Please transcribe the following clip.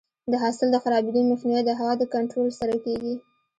د حاصل د خرابېدو مخنیوی د هوا د کنټرول سره کیږي.